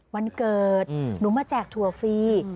วันเกิดหนูมาแจกถั่วฟรี